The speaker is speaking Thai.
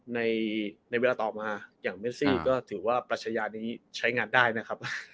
ในเวลาต่อมาอย่างเมซี่ก็ถือว่าปรัชญานี้ใช้งานได้นะครับ